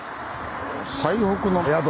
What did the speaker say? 「最北の宿」